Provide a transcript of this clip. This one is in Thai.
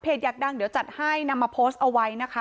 อยากดังเดี๋ยวจัดให้นำมาโพสต์เอาไว้นะคะ